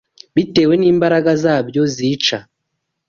Bitewe n’imbaraga zabyo zica